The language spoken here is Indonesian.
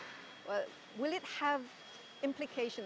apakah ini akan memiliki implikasi